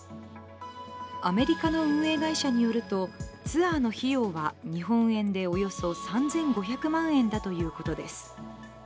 アメリカの運営会社によるとツアーの費用は日本円でおよそ３５００万円だということです。